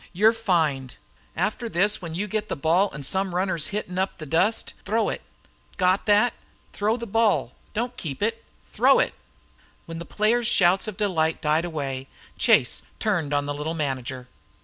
You're fined. After this when you get the ball an' some runner is hittin' up the dust, throw it. Got thet? Throw the ball! Don't keep it! Throw it!" When the players' shout of delight died away, Chase turned on the little manager.